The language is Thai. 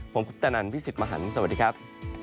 ผมคุปตนันพี่สิทธิ์มหันฯสวัสดีครับ